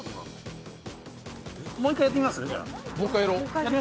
もう１回やってみます？